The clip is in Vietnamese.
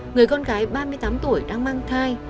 người con gái ba mươi tám tuổi đang mang thai